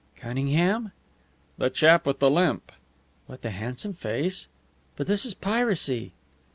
"Cunningham?" "The chap with the limp." "With the handsome face? But this is piracy!"